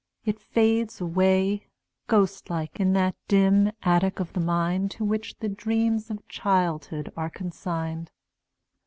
It fades away, Ghost like, in that dim attic of the mind To which the dreams of childhood are consigned.